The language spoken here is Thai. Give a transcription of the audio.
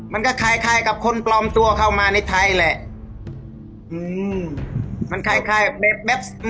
มันก็คล้ายกับคนปลอมตัวเข้ามาในไทยแหละ